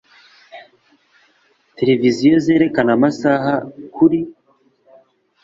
Televiziyo zerekana amasaha kuri .